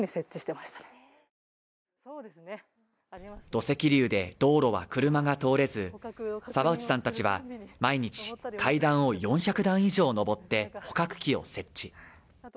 土石流で道路は車が通れず、澤内さんたちは毎日、階段を４００段以上上って捕獲器を設置。